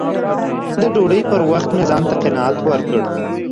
د ډوډۍ پر وخت مې ځان ته قناعت ورکړ